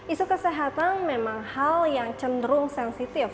isu kesehatan memang hal yang cenderung sensitif